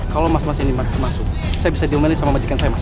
kalau mas mas ini masuk saya bisa diomali sama majikan saya mas